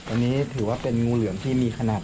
อันนี้ถือว่าเป็นงูเหลือมที่มีขนาด